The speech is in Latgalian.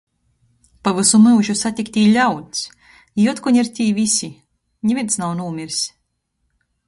Pa vysu myužu satyktī ļauds. Jī otkon ir tī vysi. Nivīns nav nūmirs.